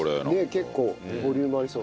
結構ボリュームありそう。